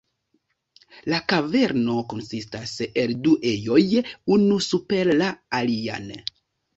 La kaverno konsistas el du ejoj, unu super la alian.